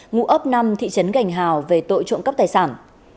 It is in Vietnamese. ngũ ấp năm thị trấn gành hào về tội trộm cấp tài sản